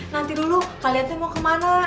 nanti dulu kalian mau kemana